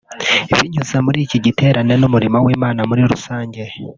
Binyuze muri iki giterane n’umurimo w’Imana muri rusange